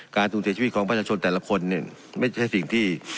สูญเสียชีวิตของประชาชนแต่ละคนเนี่ยไม่ใช่สิ่งที่